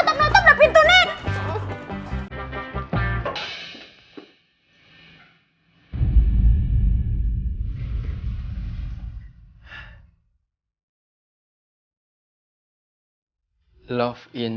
notep notep ada pintunya